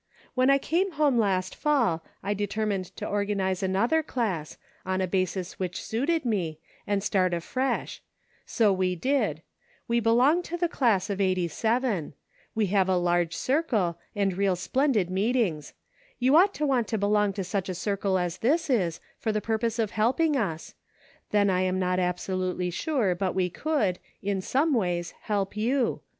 When I came home last fall, I determined to organize another class, on a basis which suited me, and start afresh ; so we did : we belong to the class of '87. We have a large circle, and real splendid 302 HOME. meetings. You ought to want to belong to such a circle as this is, for the purpose of helping us ; then I am not absolutely sure but we could, in some ways, help you.